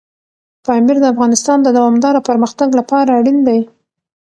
پامیر د افغانستان د دوامداره پرمختګ لپاره اړین دی.